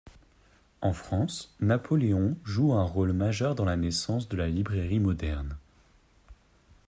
En France, Napoléon joue un rôle majeur dans la naissance de la librairie moderne.